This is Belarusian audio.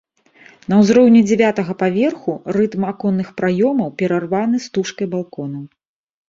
На ўзроўні дзявятага паверху рытм аконных праёмаў перарваны стужкай балконаў.